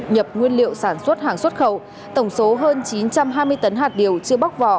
nhập nguyên liệu sản xuất hàng xuất khẩu tổng số hơn chín trăm hai mươi tấn hạt điều chưa bóc vỏ